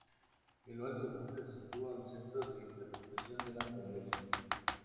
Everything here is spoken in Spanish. En lo alto del monte se sitúa un Centro de Interpretación de la Naturaleza.